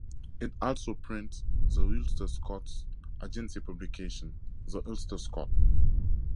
It also prints the Ulster-Scots Agency publication, The Ulster-Scot.